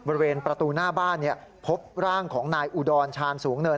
บริเวณประตูหน้าบ้านพบร่างของนายอุดรชาญสูงเนิน